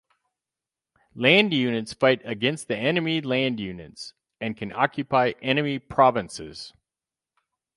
Land units fight against enemy land units, and can occupy enemy provinces.